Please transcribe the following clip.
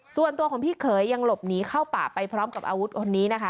ส่วนตัวของพี่เขยยังหลบหนีเข้าป่าไปพร้อมกับอาวุธคนนี้นะคะ